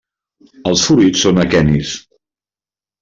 Els fruits són aquenis.